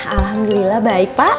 alhamdulillah baik pak